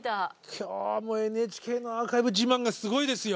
今日もＮＨＫのアーカイブ自慢がすごいですよ。